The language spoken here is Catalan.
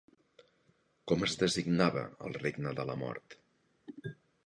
Com es designava el regne de la mort?